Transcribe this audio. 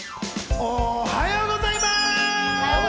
おはようございます！